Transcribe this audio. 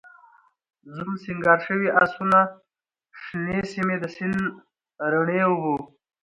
زوم، سینګار شوي آسونه، شنې سیمې، د سیند رڼې اوبه